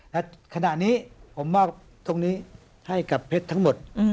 และขณะนี้ผมมอบตรงนี้ให้กับเพชรทั้งหมด